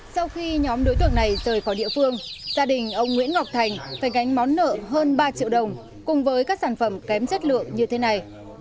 sau khi nhóm đối tượng này rời khỏi địa phương gia đình ông nguyễn ngọc thành phải gánh món nợ hơn ba triệu đồng cùng với các sản phẩm kém chất lượng như thế này